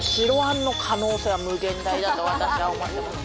やっぱだと私は思ってます。